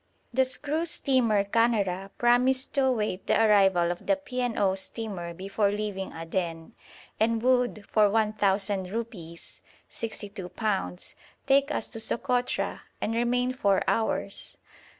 The ss. Canara promised to await the arrival of the P. and O. steamer before leaving Aden, and would, for one thousand rupees (62_l._), take us to Sokotra and remain four hours.